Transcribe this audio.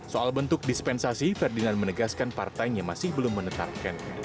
soal bentuk dispensasi ferdinand menegaskan partainya masih belum menetapkan